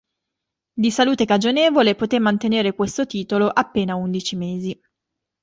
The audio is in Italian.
Di salute cagionevole, poté mantenere questo titolo appena undici mesi.